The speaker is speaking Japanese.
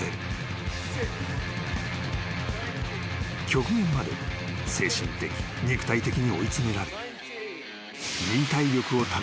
［極限まで精神的肉体的に追い詰められ］